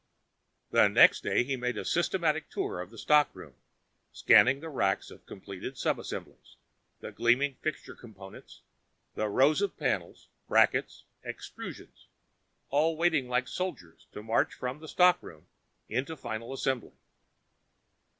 Next day he made a systematic tour of the stockroom, scanning the racks of completed sub assemblies, the gleaming fixture components, the rows of panels, brackets, extrusions, all waiting like soldiers to march from the stockroom into final assembly.